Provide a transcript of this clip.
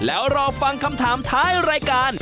แล้วรอฟังคำถามท้ายรายการ